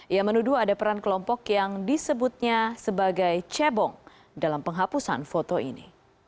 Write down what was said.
ia menuduh ada peran kelompok yang disebutnya sebagai cebong dalam penghapusan foto ini